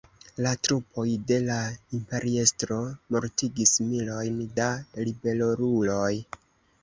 La trupoj de la imperiestro mortigis milojn da ribeluloj.